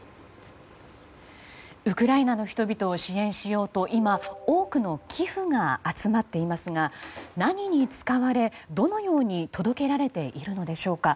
ウクライナの人々を支援しようと今、多くの寄付が集まっていますが何に使われ、どのように届けられているのでしょうか？